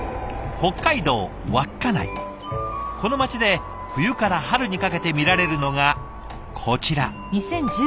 この町で冬から春にかけて見られるのがこちら。